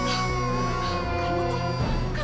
alia pergi dulu ya